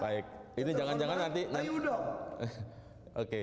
baik ini jangan jangan nanti ayo dong oke